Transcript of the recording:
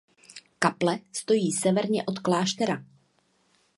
Kaple stojí severně od kláštera.